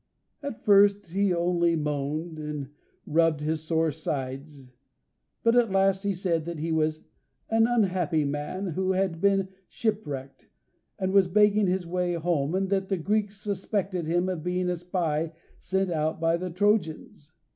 At first he only moaned, and rubbed his sore sides, but at last he said that he was an unhappy man, who had been shipwrecked, and was begging his way home, and that the Greeks suspected him of being a spy sent out by the Trojans.